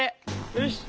よし。